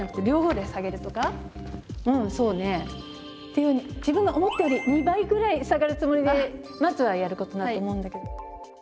いうように自分が思ったより２倍ぐらい下がるつもりでまずはやることだと思うんだけど。